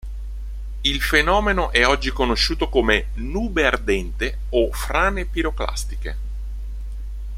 Il fenomeno è oggi conosciuto come "nube ardente" o frane piroclastiche.